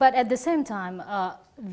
tapi pada saat ini